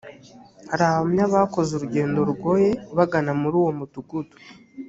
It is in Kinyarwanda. hari abahamya bakoze urugendo rugoye bagana muri uwo mudugudu